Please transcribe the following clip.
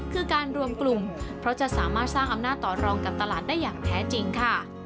คือการรวมกลุ่มเพราะจะสามารถสร้างอำนาจต่อรองกับตลาดได้อย่างแท้จริงค่ะ